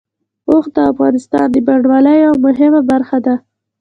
اوښ د افغانستان د بڼوالۍ یوه مهمه برخه ده.